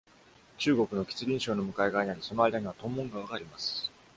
中国の吉林省の向かい側にあり、その間には屯門川があります。